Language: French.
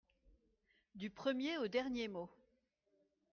Du premier au dernier mot.